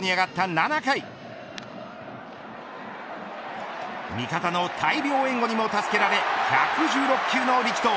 ７回味方の大量援護にも助けられ１１６球の力投。